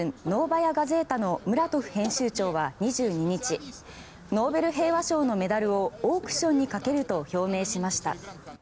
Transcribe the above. ノーバヤ・ガゼータのムラトフ編集長は２２日ノーベル平和賞のメダルをオークションにかけると表明しました。